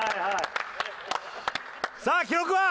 さあ記録は？